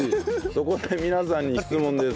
そこで皆さんに質問です。